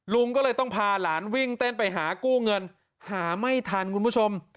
ลุงก็เลยต้องพาหลานวิ่งเต้นไปหากู้เงินหาไม่ทันคุณผู้ชม